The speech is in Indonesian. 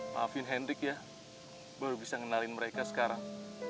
maafin henry ya baru bisa kenalin mereka sekarang